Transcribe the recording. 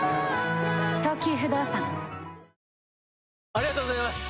ありがとうございます！